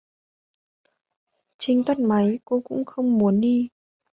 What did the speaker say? Trinh tắt máy, cô cũng không muốn đi